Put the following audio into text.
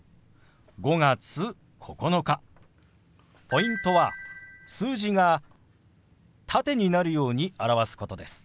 ポイントは数字が縦になるように表すことです。